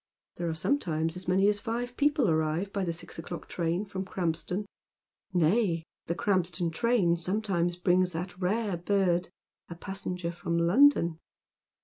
There are sometimes as many as five people arrive by the six o'clock train from Kranipston, — nay, the Krampston train sometimes brings that rare bird, a passenger from London.